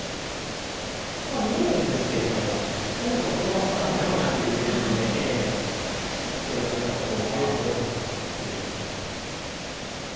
まあ見えるんですけれども多くのプロは指さないだろうなという手順でええ個性が出たところかなと思いますけれども。